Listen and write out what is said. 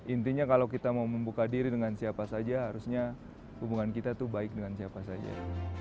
intinya kalau kita mau membuka diri dengan siapa saja harusnya hubungan kita itu baik dengan siapa saja